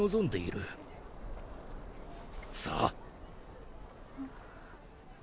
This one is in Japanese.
さあ。